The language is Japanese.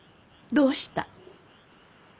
どうした？